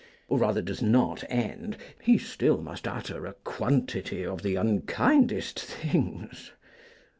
Or rather does not end: he still must utter A quantity of the unkindest things.